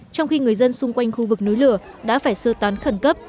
trong khi người dân xung quanh khu vực núi lửa đã phải sơ tán khẩn cấp